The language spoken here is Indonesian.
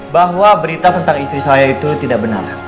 bahwa berita tentang istri saya itu tidak benar